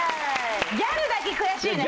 ギャルだけ悔しいね。